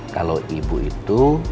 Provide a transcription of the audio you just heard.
kalau ibu itu